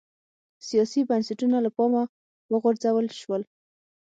سیاسي بنسټونه له پامه وغورځول شول